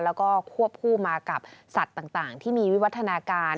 แล้วก็ควบคู่มากับสัตว์ต่างที่มีวิวัฒนาการ